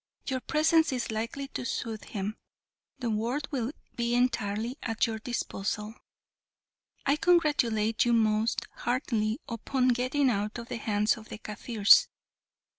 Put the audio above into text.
Your presence is likely to soothe him. The ward will be entirely at your disposal. I congratulate you most heartily upon getting out of the hands of the Kaffirs. Mr.